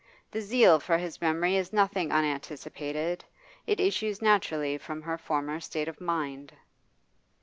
The zeal for his memory is nothing unanticipated; it issues naturally from her former state of mind.